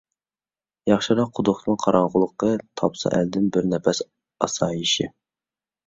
ياخشىراق قۇدۇقنىڭ قاراڭغۇلۇقى، تاپسا ئەلدىن بىر نەپەس ئاسايىشى.